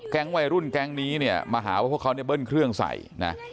วัยรุ่นแก๊งนี้เนี่ยมาหาว่าพวกเขาเนี่ยเบิ้ลเครื่องใส่นะ